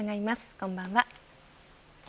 こんばんは。